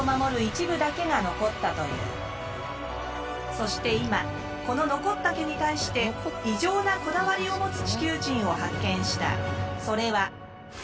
そして今この残った毛に対して異常なこだわりを持つ地球人を発見した。